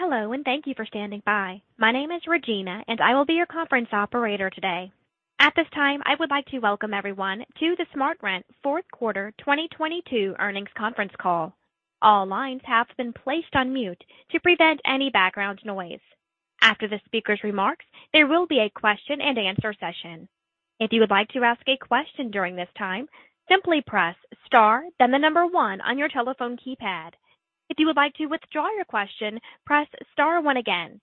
Hello, and thank you for standing by. My name is Regina, and I will be your conference operator today. At this time, I would like to welcome everyone to the SmartRent Fourth Quarter 2022 earnings conference call. All lines have been placed on mute to prevent any background noise. After the speaker's remarks, there will be a question-and-answer session. If you would like to ask a question during this time, simply press star, then the number one on your telephone keypad. If you would like to withdraw your question, press star one again.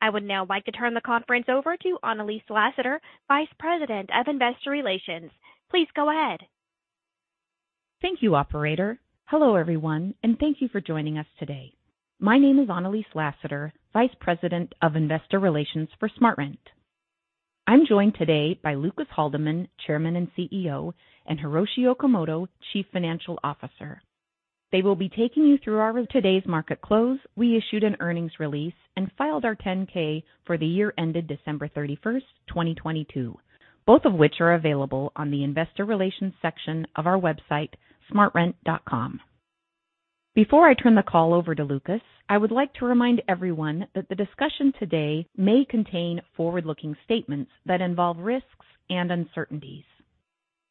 I would now like to turn the conference over to Annalise Lasater, Vice President of Investor Relations. Please go ahead. Thank you, operator. Hello, everyone, and thank you for joining us today. My name is Annalise Lasater, Vice President of Investor Relations for SmartRent. I'm joined today by Lucas Haldeman, Chairman and CEO, and Hiroshi Okamoto, Chief Financial Officer. They will be taking you through Today's market close, we issued an earnings release and filed our 10-K for the year ended December 31st, 2022, both of which are available on the investor relations section of our website, smartrent.com. Before I turn the call over to Lucas, I would like to remind everyone that the discussion today may contain forward-looking statements that involve risks and uncertainties.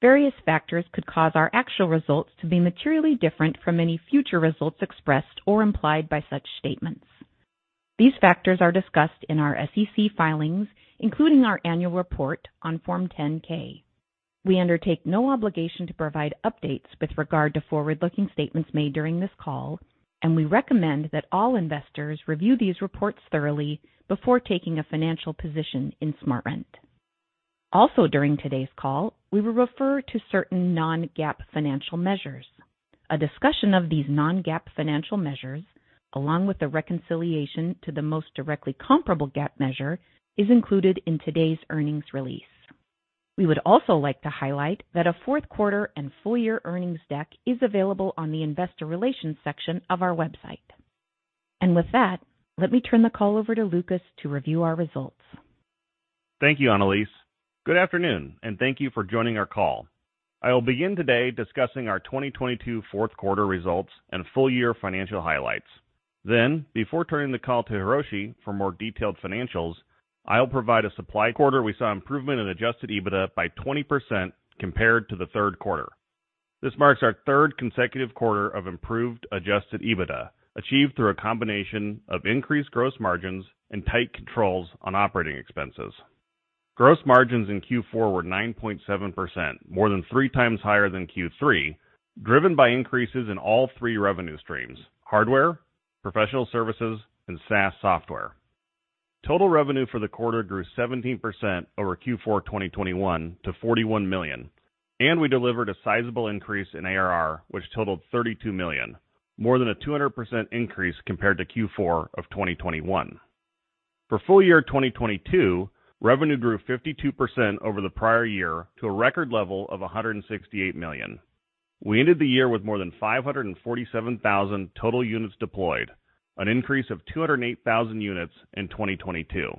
Various factors could cause our actual results to be materially different from any future results expressed or implied by such statements. These factors are discussed in our SEC filings, including our annual report on Form 10-K. We undertake no obligation to provide updates with regard to forward-looking statements made during this call, and we recommend that all investors review these reports thoroughly before taking a financial position in SmartRent. Also during today's call, we will refer to certain non-GAAP financial measures. A discussion of these non-GAAP financial measures, along with the reconciliation to the most directly comparable GAAP measure, is included in today's earnings release. We would also like to highlight that a fourth quarter and full year earnings deck is available on the investor relations section of our website. With that, let me turn the call over to Lucas to review our results. Thank you, Annalise. Good afternoon, thank you for joining our call. I will begin today discussing our 2022 fourth quarter results and full year financial highlights. Before turning the call to Hiroshi for more detailed financials, I will provide a supply quarter. We saw improvement in adjusted EBITDA by 20% compared to the third quarter. This marks our third consecutive quarter of improved adjusted EBITDA, achieved through a combination of increased gross margins and tight controls on operating expenses. Gross margins in Q4 were 9.7%, more than 3x higher than Q3, driven by increases in all three revenue streams: hardware, professional services, and SaaS software. Total revenue for the quarter grew 17% over Q4 2021 to $41 million, and we delivered a sizable increase in ARR, which totaled $32 million, more than a 200% increase compared to Q4 of 2021. For full year 2022, revenue grew 52% over the prior year to a record level of $168 million. We ended the year with more than 547,000 total units deployed, an increase of 208,000 units in 2022.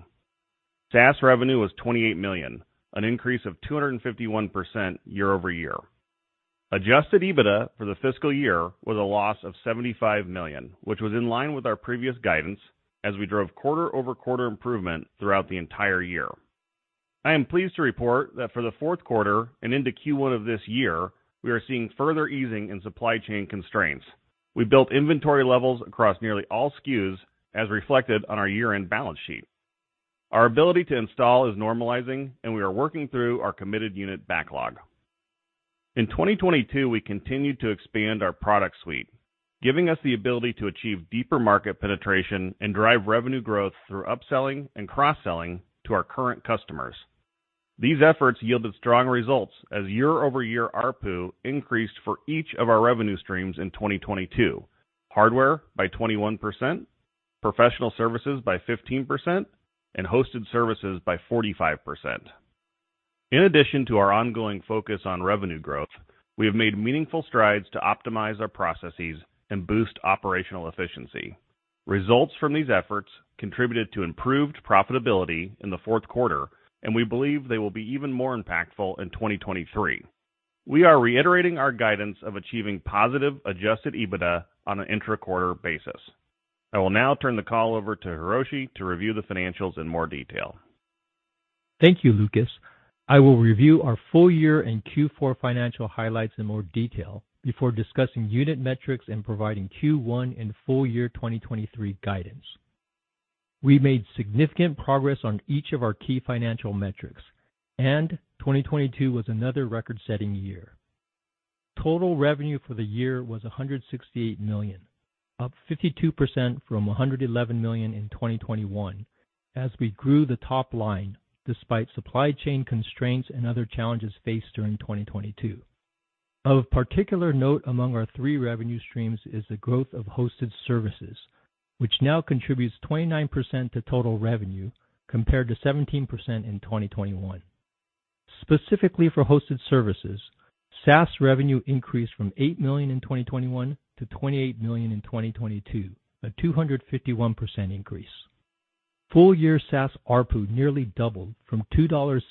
SaaS revenue was $28 million, an increase of 251% year-over-year. Adjusted EBITDA for the fiscal year was a loss of $75 million, which was in line with our previous guidance as we drove quarter-over-quarter improvement throughout the entire year. I am pleased to report that for the fourth quarter and into Q1 of this year, we are seeing further easing in supply chain constraints. We built inventory levels across nearly all SKUs as reflected on our year-end balance sheet. Our ability to install is normalizing, and we are working through our committed unit backlog. In 2022, we continued to expand our product suite, giving us the ability to achieve deeper market penetration and drive revenue growth through upselling and cross-selling to our current customers. These efforts yielded strong results as year-over-year ARPU increased for each of our revenue streams in 2022. Hardware by 21%, professional services by 15%, and hosted services by 45%. In addition to our ongoing focus on revenue growth, we have made meaningful strides to optimize our processes and boost operational efficiency. Results from these efforts contributed to improved profitability in the fourth quarter. We believe they will be even more impactful in 2023. We are reiterating our guidance of achieving positive adjusted EBITDA on an intra-quarter basis. I will now turn the call over to Hiroshi to review the financials in more detail. Thank you, Lucas. I will review our full year and Q4 financial highlights in more detail before discussing unit metrics and providing Q1 and full year 2023 guidance. We made significant progress on each of our key financial metrics, and 2022 was another record-setting year. Total revenue for the year was $168 million, up 52% from $111 million in 2021 as we grew the top line despite supply chain constraints and other challenges faced during 2022. Of particular note among our three revenue streams is the growth of hosted services, which now contributes 29% to total revenue, compared to 17% in 2021. Specifically for hosted services, SaaS revenue increased from $8 million in 2021 to $28 million in 2022, a 251% increase. Full year SaaS ARPU nearly doubled from $2.76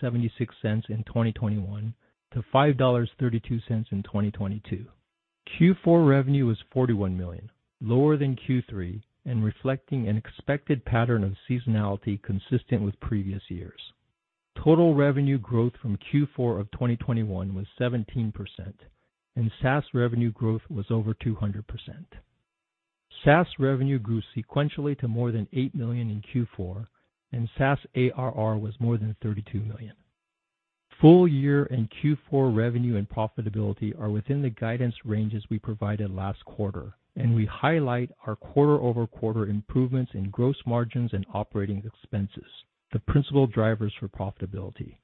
in 2021 to $5.32 in 2022. Q4 revenue was $41 million, lower than Q3, and reflecting an expected pattern of seasonality consistent with previous years. Total revenue growth from Q4 of 2021 was 17% and SaaS revenue growth was over 200%. SaaS revenue grew sequentially to more than $8 million in Q4, and SaaS ARR was more than $32 million. Full year and Q4 revenue and profitability are within the guidance ranges we provided last quarter, and we highlight our quarter-over-quarter improvements in gross margins and operating expenses, the principal drivers for profitability.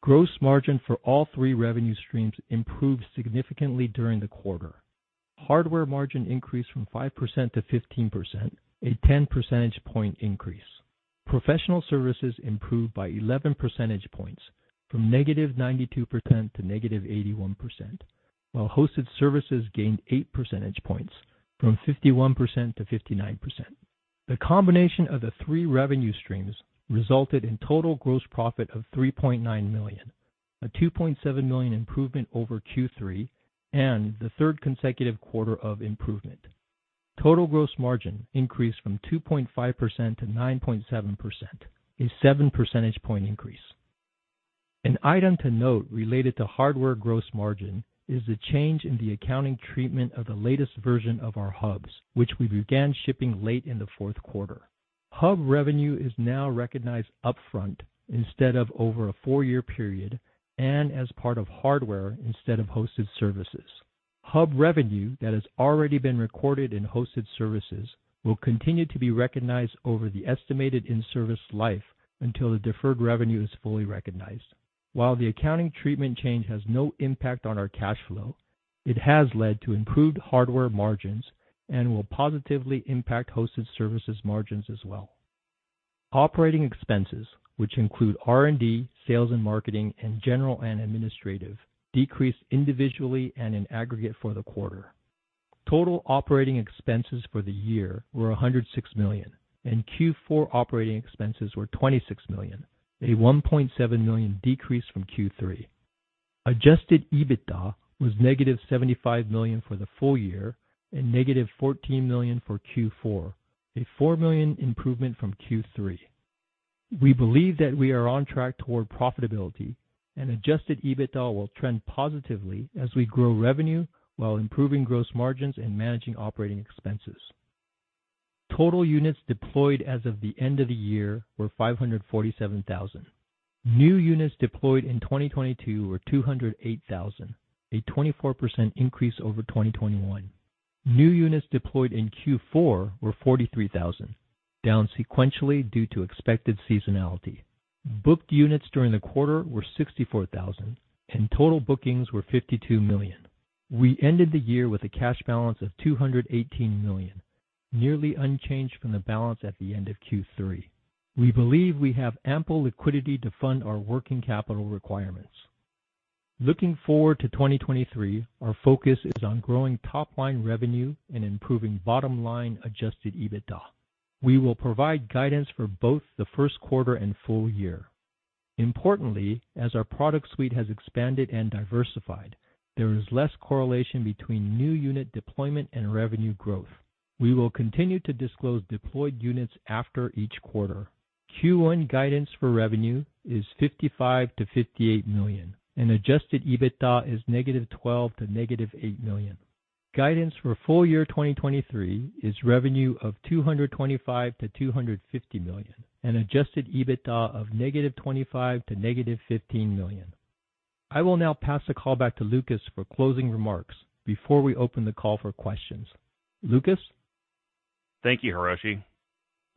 Gross margin for all three revenue streams improved significantly during the quarter. Hardware margin increased from 5%-15%, a 10 percentage point increase. Professional services improved by 11 percentage points from -92%--81%, while hosted services gained eight percentage points from 51%-59%. The combination of the three revenue streams resulted in total gross profit of $3.9 million, a $2.7 million improvement over Q3 and the third consecutive quarter of improvement. Total gross margin increased from 2.5%-9.7%, a seven percentage point increase. An item to note related to hardware gross margin is the change in the accounting treatment of the latest version of our hubs, which we began shipping late in the fourth quarter. hub revenue is now recognized upfront instead of over a four-year period and as part of hardware instead of hosted services. hub revenue that has already been recorded in hosted services will continue to be recognized over the estimated in-service life until the deferred revenue is fully recognized. While the accounting treatment change has no impact on our cash flow, it has led to improved hardware margins and will positively impact hosted services margins as well. Operating expenses, which include R&D, sales and marketing, and general and administrative, decreased individually and in aggregate for the quarter. Total operating expenses for the year were $106 million, and Q4 operating expenses were $26 million, a $1.7 million decrease from Q3. Adjusted EBITDA was negative $75 million for the full year and negative $14 million for Q4, a $4 million improvement from Q3. We believe that we are on track toward profitability and adjusted EBITDA will trend positively as we grow revenue while improving gross margins and managing operating expenses. Total units deployed as of the end of the year were 547,000. New units deployed in 2022 were 208,000, a 24% increase over 2021. New units deployed in Q4 were 43,000, down sequentially due to expected seasonality. Booked units during the quarter were 64,000, and total bookings were $52 million. We ended the year with a cash balance of $218 million, nearly unchanged from the balance at the end of Q3. We believe we have ample liquidity to fund our working capital requirements. Looking forward to 2023, our focus is on growing top line revenue and improving bottom line adjusted EBITDA. We will provide guidance for both the first quarter and full year. Importantly, as our product suite has expanded and diversified, there is less correlation between new unit deployment and revenue growth. We will continue to disclose deployed units after each quarter. Q1 guidance for revenue is $55 million-$58 million and adjusted EBITDA is negative $12 million to negative $8 million. Guidance for full year 2023 is revenue of $225 million-$250 million and adjusted EBITDA of negative $25 million to negative $15 million. I will now pass the call back to Lucas for closing remarks before we open the call for questions. Lucas? Thank you, Hiroshi.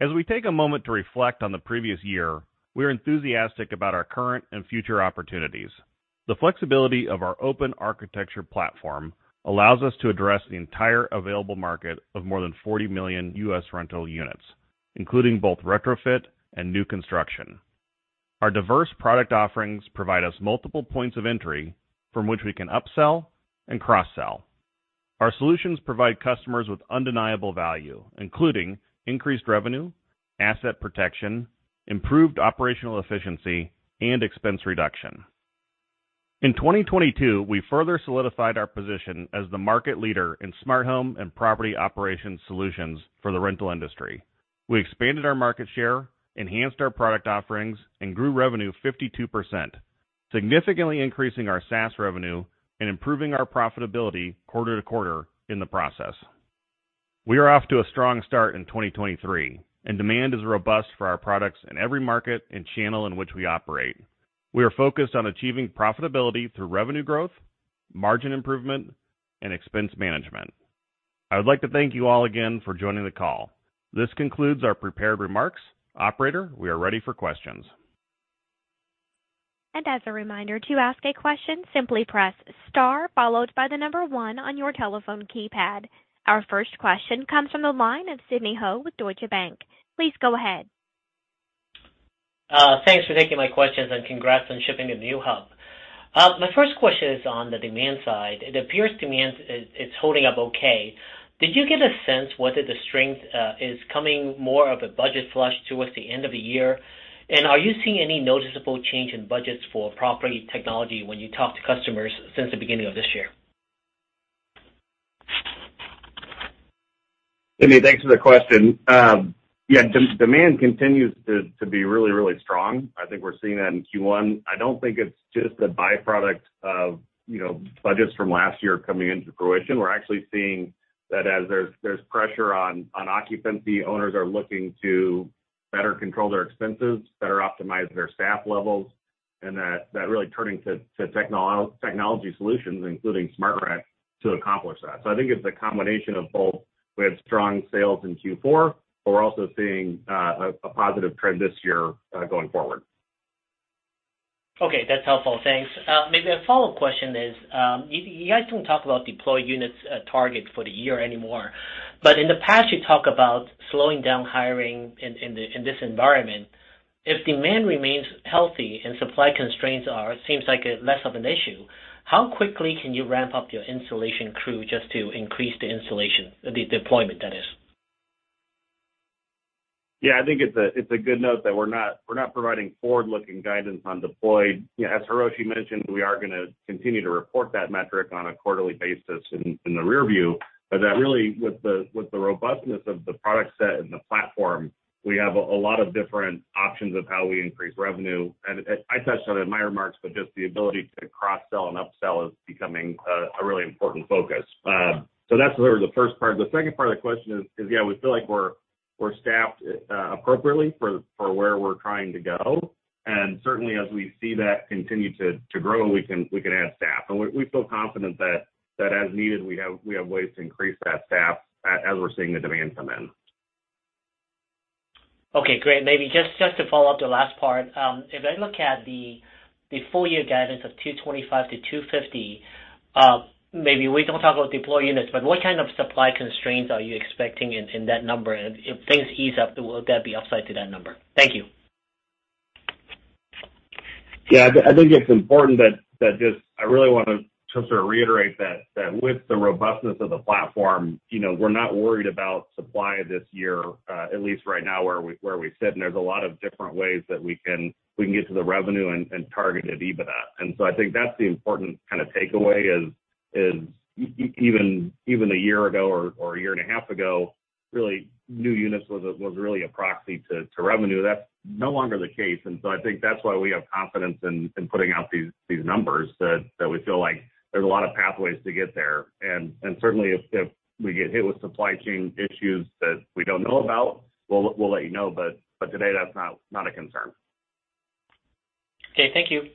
As we take a moment to reflect on the previous year, we are enthusiastic about our current and future opportunities. The flexibility of our open architecture platform allows us to address the entire available market of more than 40 million U.S. rental units, including both retrofit and new construction. Our diverse product offerings provide us multiple points of entry from which we can upsell and cross-sell. Our solutions provide customers with undeniable value, including increased revenue, asset protection, improved operational efficiency and expense reduction. In 2022, we further solidified our position as the market leader in smart home and property operations solutions for the rental industry. We expanded our market share, enhanced our product offerings, and grew revenue 52%, significantly increasing our SaaS revenue and improving our profitability quarter-to-quarter in the process. We are off to a strong start in 2023, and demand is robust for our products in every market and channel in which we operate. We are focused on achieving profitability through revenue growth, margin improvement, and expense management. I would like to thank you all again for joining the call. This concludes our prepared remarks. Operator, we are ready for questions. As a reminder, to ask a question, simply press star followed by the number one on your telephone keypad. Our first question comes from the line of Sidney Ho with Deutsche Bank. Please go ahead. Thanks for taking my questions, and congrats on shipping a new hub. My first question is on the demand side. It appears demand is holding up okay. Did you get a sense whether the strength is coming more of a budget flush towards the end of the year? Are you seeing any noticeable change in budgets for property technology when you talk to customers since the beginning of this year? Sydney, thanks for the question. Yeah, demand continues to be really, really strong. I think we're seeing that in Q1. I don't think it's just a byproduct of, you know, budgets from last year coming into fruition. We're actually seeing that as there's pressure on occupancy, owners are looking to better control their expenses, better optimize their staff levels, and that really turning to technology solutions, including SmartRent, to accomplish that. I think it's a combination of both. We have strong sales in Q4, but we're also seeing a positive trend this year, going forward. Okay. That's helpful. Thanks. Maybe a follow-up question is, you guys don't talk about deployed units, target for the year anymore. In the past, you talk about slowing down hiring in this environment. If demand remains healthy and supply constraints are, it seems like a less of an issue, how quickly can you ramp up your installation crew just to increase the installation, the deployment, that is? I think it's a good note that we're not providing forward-looking guidance on deployed. You know, as Hiroshi mentioned, we are gonna continue to report that metric on a quarterly basis in the rearview. That really with the robustness of the product set and the platform, we have a lot of different options of how we increase revenue. I touched on it in my remarks, but just the ability to cross-sell and up-sell is becoming a really important focus. That's sort of the first part. The second part of the question is, yeah, we feel like we're staffed appropriately for where we're trying to go. Certainly as we see that continue to grow, we can add staff. We feel confident that as needed, we have ways to increase that staff as we're seeing the demand come in. Okay, great. Maybe just to follow up the last part. If I look at the full year guidance of $225-$250, maybe we don't talk about deployed units, but what kind of supply constraints are you expecting in that number? If things ease up, will there be upside to that number? Thank you. Yeah. I think it's important that just I really wanna just reiterate that with the robustness of the platform, you know, we're not worried about supply this year, at least right now where we sit. There's a lot of different ways that we can get to the revenue and targeted EBITDA. I think that's the important kind of takeaway is even a year ago or a year and a half ago, really new units was really a proxy to revenue. That's no longer the case. I think that's why we have confidence in putting out these numbers that we feel like there's a lot of pathways to get there. Certainly if we get hit with supply chain issues that we don't know about, we'll let you know. Today that's not a concern. Okay. Thank you.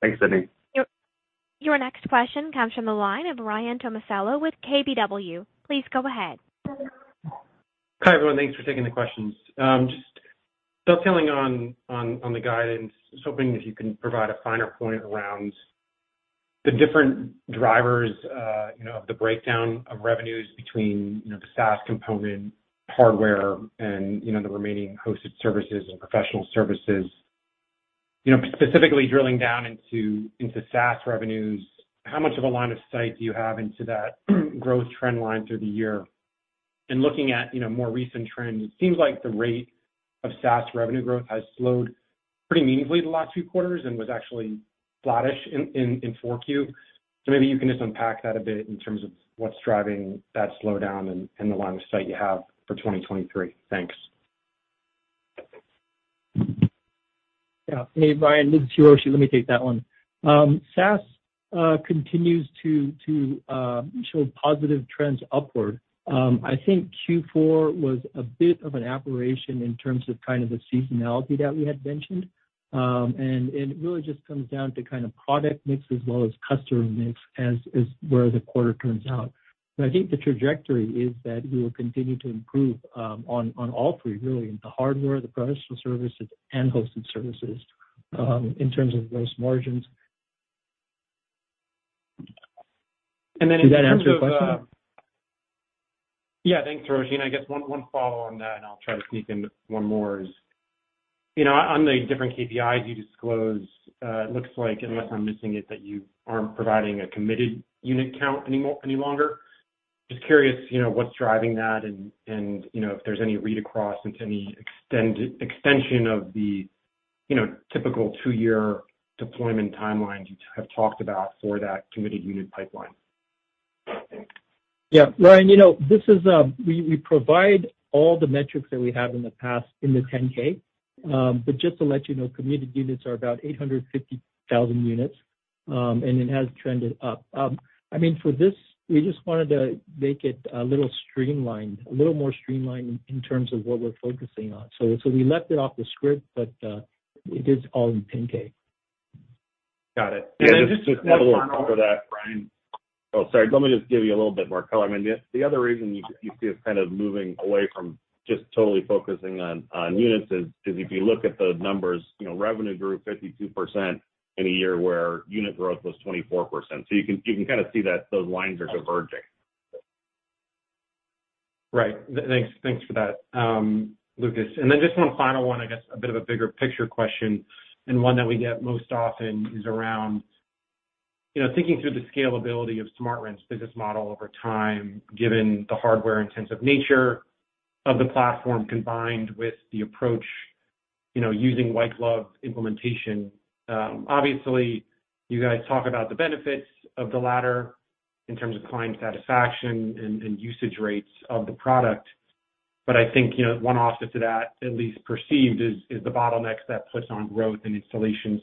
Thanks, Sidney. Your next question comes from the line of Ryan Tomasello with KBW. Please go ahead. Hi, everyone. Thanks for taking the questions. just dovetailing on the guidance, just hoping if you can provide a finer point around the different drivers, you know, of the breakdown of revenues between, you know, the SaaS component, hardware and, you know, the remaining hosted services and professional services. You know, specifically drilling down into SaaS revenues, how much of a line of sight do you have into that growth trend line through the year? Looking at, you know, more recent trends, it seems like the rate of SaaS revenue growth has slowed pretty meaningfully the last two quarters and was actually flattish in 4Q. Maybe you can just unpack that a bit in terms of what's driving that slowdown and the line of sight you have for 2023. Thanks. Yeah. Hey, Ryan, this is Hiroshi. Let me take that one. SaaS continues to show positive trends upward. I think Q4 was a bit of an aberration in terms of kind of the seasonality that we had mentioned. It really just comes down to kind of product mix as well as customer mix as where the quarter turns out. But I think the trajectory is that we will continue to improve on all three really, the hardware, the professional services and hosted services, in terms of gross margins. Then in terms of. Did that answer your question? Yeah. Thanks, Hiroshi. I guess one follow on that, and I'll try to sneak in one more is, you know, on the different KPIs you disclose, it looks like, unless I'm missing it, that you aren't providing a committed unit count any longer. Just curious, you know, what's driving that and, you know, if there's any read across into any extension of the, you know, typical two-year deployment timelines you have talked about for that committed unit pipeline. Thanks. Yeah. Ryan, you know, this is, we provide all the metrics that we have in the past in the 10-K. Just to let you know, committed units are about 850,000 units, and it has trended up. I mean, for this, we just wanted to make it a little streamlined, a little more streamlined in terms of what we're focusing on. We left it off the script, it is all in 10-K. Got it. Yeah. Just one more after that, Ryan. Oh, sorry. Let me just give you a little bit more color. I mean, the other reason you see us kind of moving away from just totally focusing on units is if you look at the numbers, you know, revenue grew 52% in a year where unit growth was 24%. You can kind of see that those lines are diverging. Right. Thanks for that, Lucas. Just one final one, I guess a bit of a bigger picture question, and one that we get most often is around, you know, thinking through the scalability of SmartRent's business model over time, given the hardware-intensive nature of the platform, combined with the approach, you know, using white glove implementation. Obviously, you guys talk about the benefits of the latter in terms of client satisfaction and usage rates of the product. I think, you know, one offset to that, at least perceived, is the bottlenecks that puts on growth and installation.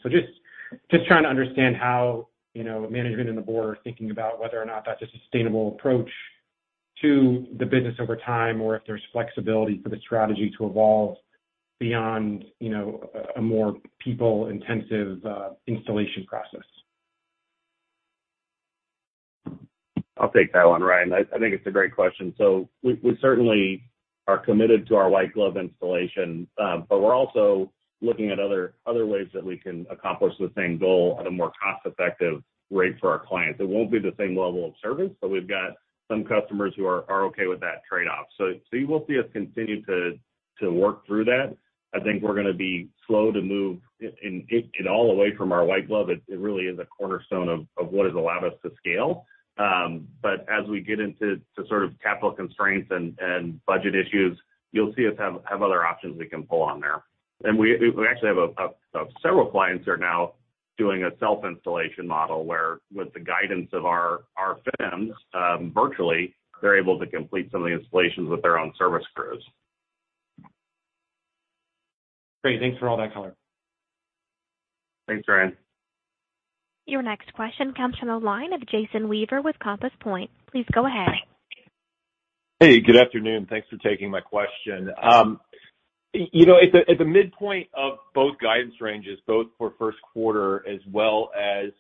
Just trying to understand how, you know, management and the board are thinking about whether or not that's a sustainable approach to the business over time, or if there's flexibility for the strategy to evolve beyond, you know, a more people-intensive installation process. I'll take that one, Ryan. I think it's a great question. We certainly are committed to our white glove installation. We're also looking at other ways that we can accomplish the same goal at a more cost-effective rate for our clients. It won't be the same level of service, but we've got some customers who are okay with that trade-off. You will see us continue to work through that. I think we're gonna be slow to move it all away from our white glove. It really is a cornerstone of what has allowed us to scale. As we get into sort of capital constraints and budget issues, you'll see us have other options we can pull on there. We actually have Several clients are now doing a self-installation model, where with the guidance of our FIMs, virtually they're able to complete some of the installations with their own service crews. Great. Thanks for all that color. Thanks, Ryan. Your next question comes from the line of Jason Weaver with Compass Point. Please go ahead. Hey, good afternoon. Thanks for taking my question. You know, at the midpoint of both guidance ranges, both for first quarter as well as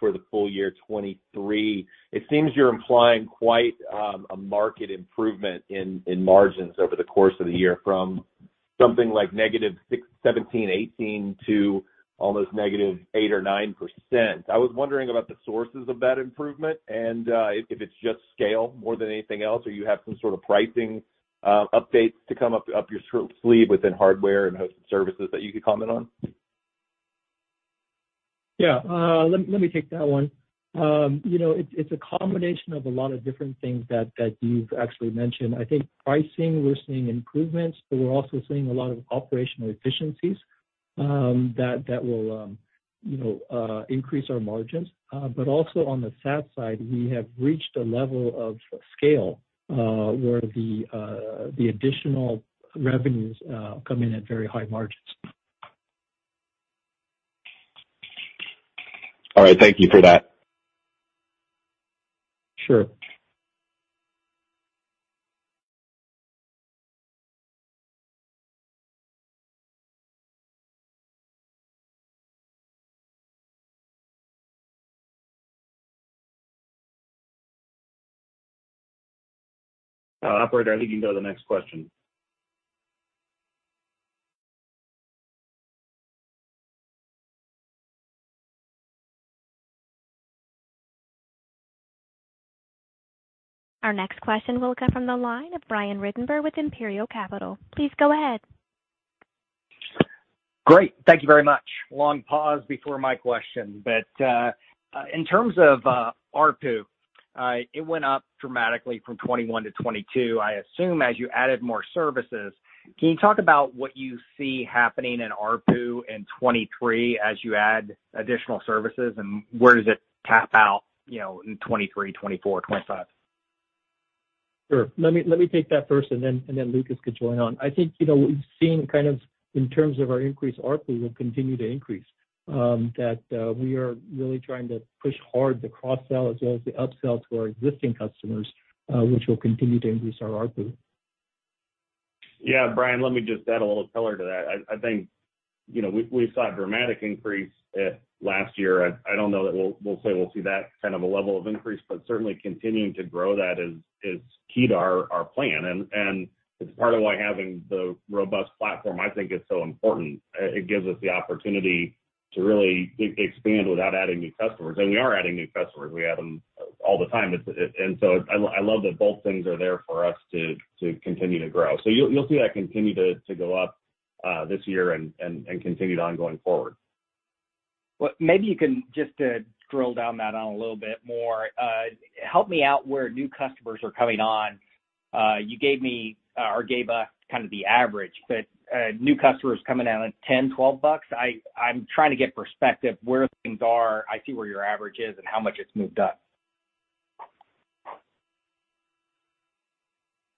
for the full year 2023, it seems you're implying quite a market improvement in margins over the course of the year from something like negative 17%, 18% to almost negative 8% or 9%. I was wondering about the sources of that improvement and if it's just scale more than anything else or you have some sort of pricing updates to come up your sleeve within hardware and hosted services that you could comment on. Yeah. Let me take that one. You know, it's a combination of a lot of different things that you've actually mentioned. I think pricing, we're seeing improvements, but we're also seeing a lot of operational efficiencies, that will, you know, increase our margins. Also on the SaaS side, we have reached a level of scale, where the additional revenues come in at very high margins. All right. Thank you for that. Sure. Operator, I think you can go to the next question. Our next question will come from the line of Brian Ruttenbur with Imperial Capital. Please go ahead. Great. Thank you very much. Long pause before my question. In terms of ARPU, it went up dramatically from 2021-2022, I assume, as you added more services. Can you talk about what you see happening in ARPU in 2023 as you add additional services, and where does it tap out, you know, in 2023, 2024, 2025? Sure. Let me take that first and then Lucas could join on. I think, you know, we've seen kind of in terms of our increased ARPU will continue to increase, that we are really trying to push hard the cross-sell as well as the up-sell to our existing customers, which will continue to increase our ARPU. Yeah. Brian, let me just add a little color to that. I think, you know, we saw a dramatic increase last year. I don't know that we'll say we'll see that kind of a level of increase, but certainly continuing to grow that is key to our plan. It's part of why having the robust platform I think is so important. It gives us the opportunity to really expand without adding new customers. We are adding new customers. We add them all the time. I love that both things are there for us to continue to grow. You'll see that continue to go up this year and continue on going forward. Maybe you can just drill down that on a little bit more. Help me out where new customers are coming on. You gave me or gave us kind of the average. New customers coming out at $10, $12. I'm trying to get perspective where things are. I see where your average is and how much it's moved up.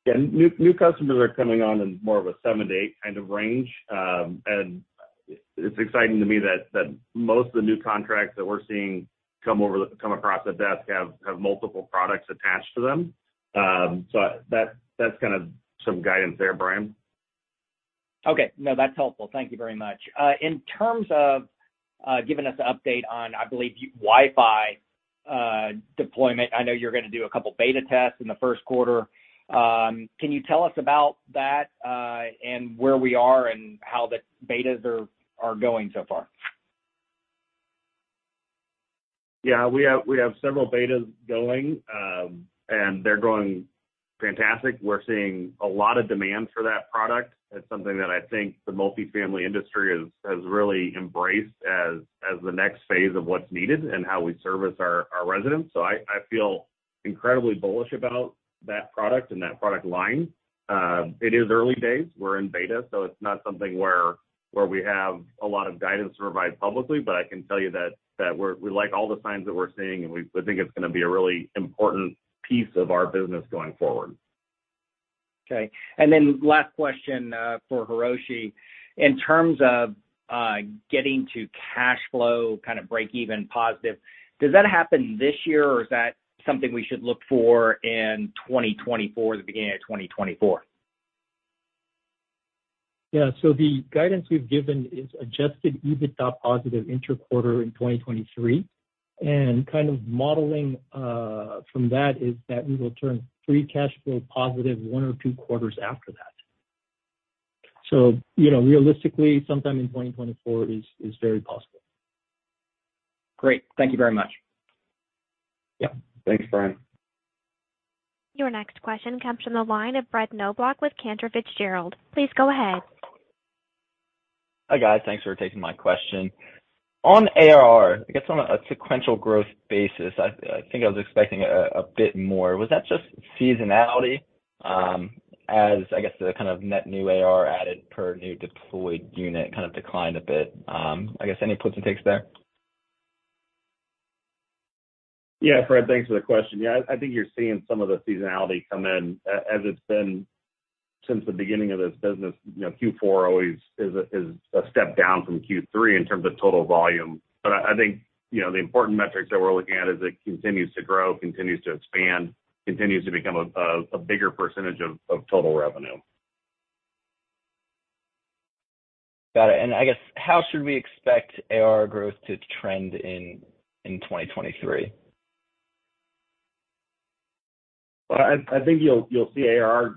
Yeah. New customers are coming on in more of a seven-eight kind of range. It's exciting to me that most of the new contracts that we're seeing come across the desk have multiple products attached to them. That's kind of some guidance there, Brian. Okay. No, that's helpful. Thank you very much. In terms of giving us an update on, I believe, WiFi deployment, I know you're gonna do a couple beta tests in the first quarter. Can you tell us about that and where we are and how the betas are going so far? We have several betas going, and they're going fantastic. We're seeing a lot of demand for that product. It's something that I think the multifamily industry has really embraced as the next phase of what's needed and how we service our residents. I feel incredibly bullish about that product and that product line. It is early days. We're in beta, so it's not something where we have a lot of guidance to provide publicly. I can tell you that we like all the signs that we're seeing, and we think it's gonna be a really important piece of our business going forward. Okay. Then last question, for Hiroshi. In terms of getting to cash flow kind of breakeven positive, does that happen this year, or is that something we should look for in 2024, the beginning of 2024? Yeah. The guidance we've given is adjusted EBITDA positive interquarter in 2023. Kind of modeling from that is that we will turn free cash flow positive one or two quarters after that. You know, realistically, sometime in 2024 is very possible. Great. Thank you very much. Yep. Thanks, Brian. Your next question comes from the line of Brett Knoblauch with Cantor Fitzgerald. Please go ahead. Hi, guys. Thanks for taking my question. On ARR, I guess on a sequential growth basis, I think I was expecting a bit more. Was that just seasonality, as I guess the kind of net new ARR added per new deployed unit kind of declined a bit? I guess any puts and takes there? Yeah. Fred, thanks for the question. Yeah. I think you're seeing some of the seasonality come in. As it's been since the beginning of this business, you know, Q4 always is a step down from Q3 in terms of total volume. I think, you know, the important metrics that we're looking at is it continues to grow, continues to expand, continues to become a bigger % of total revenue. Got it. I guess, how should we expect ARR growth to trend in 2023? I think you'll see ARR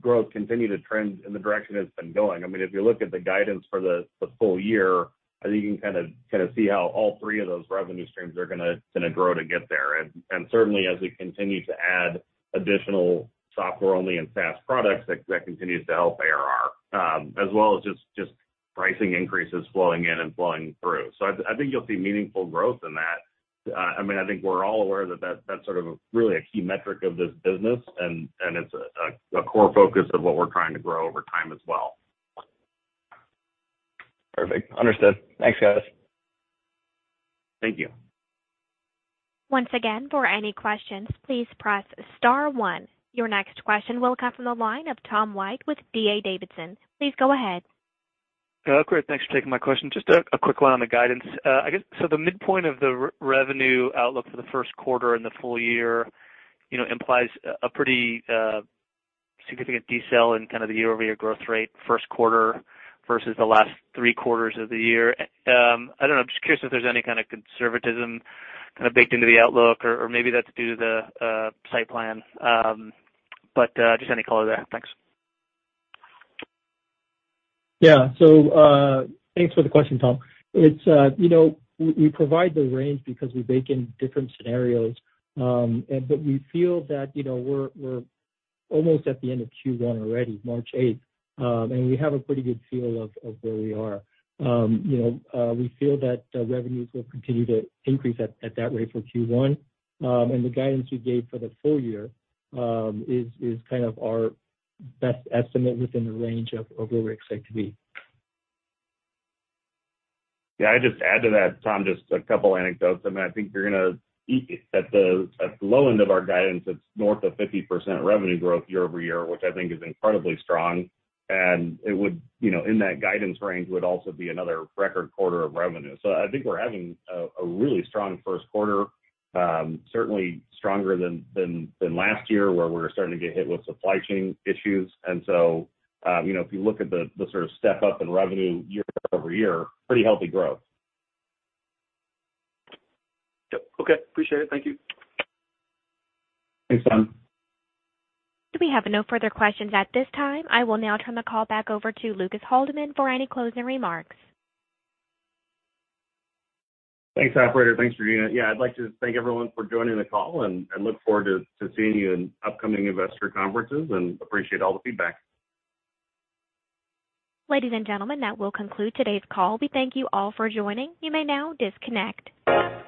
growth continue to trend in the direction it's been going. I mean, if you look at the guidance for the full year, I think you can kinda see how all three of those revenue streams are gonna grow to get there. Certainly, as we continue to add additional software only and SaaS products, that continues to help ARR, as well as just pricing increases flowing in and flowing through. I think you'll see meaningful growth in that. I mean, I think we're all aware that that's sort of really a key metric of this business and it's a core focus of what we're trying to grow over time as well. Perfect. Understood. Thanks, guys. Thank you. Once again, for any questions, please press star one. Your next question will come from the line of Tom White with D.A. Davidson. Please go ahead. Yeah. Great. Thanks for taking my question. Just a quick one on the guidance. I guess, so the midpoint of the re-revenue outlook for the first quarter and the full year, you know, implies a pretty significant decel in kind of the year-over-year growth rate first quarter versus the last three quarters of the year. I don't know. I'm just curious if there's any kind of conservatism kind of baked into the outlook or maybe that's due to the site plan. Just any color there. Thanks. Thanks for the question, Tom. It's, you know, we provide the range because we bake in different scenarios. But we feel that, you know, we're almost at the end of Q1 already, March eighth. We have a pretty good feel of where we are. You know, we feel that, revenues will continue to increase at that rate for Q1. The guidance we gave for the full year, is kind of our best estimate within the range of where we expect to be. Yeah. I'd just add to that, Tom, just a couple anecdotes. I mean, I think you're gonna at the low end of our guidance, it's north of 50% revenue growth year-over-year, which I think is incredibly strong. It would, you know, in that guidance range would also be another record quarter of revenue. I think we're having a really strong first quarter, certainly stronger than last year where we were starting to get hit with supply chain issues. You know, if you look at the sort of step-up in revenue year-over-year, pretty healthy growth. Yep. Okay. Appreciate it. Thank you. Thanks, Tom. We have no further questions at this time. I will now turn the call back over to Lucas Haldeman for any closing remarks. Thanks, operator. Thanks, Regina. Yeah. I'd like to thank everyone for joining the call and look forward to seeing you in upcoming investor conferences and appreciate all the feedback. Ladies and gentlemen, that will conclude today's call. We thank you all for joining. You may now disconnect.